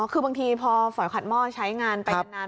คือบางทีพอฝอยขัดหม้อใช้งานไปนาน